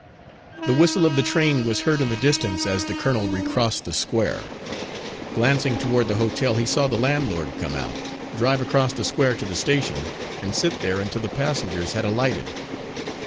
The whistle of the train was heard in the distance as the colonel recrossed the square. Glancing toward the hotel, he saw the landlord come out, drive across the square to the station, and sit there until the passengers had alighted.